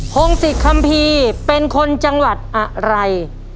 พงศิษยคัมภีร์เป็นคนจังหวัดอะไร